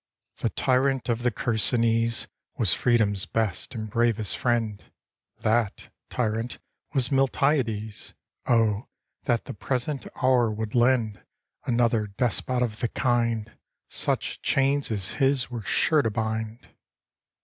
The tyrant of the Chersonese Was freedom's best and bravest friend; That tyrant was Miltiades! Oh! that the present hour would lend Another despot of the kind ! Such chains as his were sure to bind.